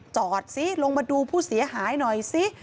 จอดซิลงมาดูผู้เสียหายหน่อยซิ